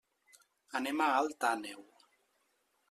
Anem a Alt Àneu.